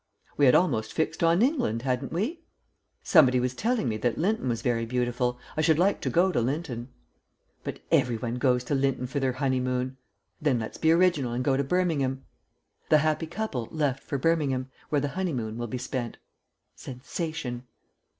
"We had almost fixed on England, hadn't we?" "Somebody was telling me that Lynton was very beautiful. I should like to go to Lynton." "But every one goes to Lynton for their honeymoon." "Then let's be original and go to Birmingham. 'The happy couple left for Birmingham, where the honeymoon will be spent.' Sensation."